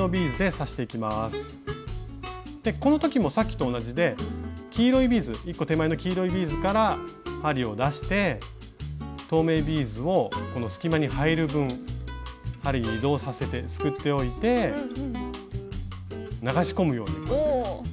この時もさっきと同じで１個手前の黄色いビーズから針を出して透明ビーズをこの隙間に入る分針に移動させてすくっておいて流し込むように押し込んでみます。